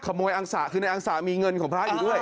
ขโมยองศะคือในองศะมีเงินของพระอีกด้วย